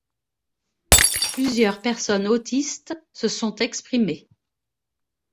Plusieurs personnes autistes se sont exprimées.